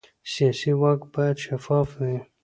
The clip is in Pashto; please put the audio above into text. سیاسي واک باید شفاف وي